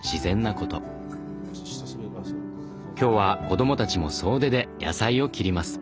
今日は子どもたちも総出で野菜を切ります。